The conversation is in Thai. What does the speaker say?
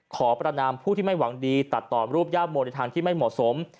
ขอประนามผู้ที่ไม่หวังดีตัดต่อรูปย่าโมในทางที่ไม่เหมาะสม